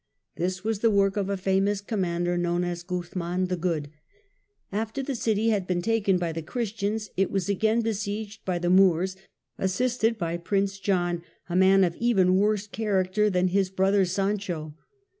This was the work of a famous com mander known as Guzman the Good. After the city Guzman ....,. the Good had been taken by the Christians, it was again besieged saves by the Moors, assisted by Prince John, a man of even worse character than his brother Sancho.